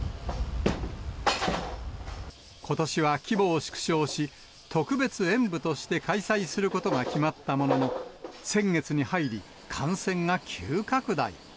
ことしは規模を縮小し、特別演舞として開催することが決まったものの、先月に入り、感染が急拡大。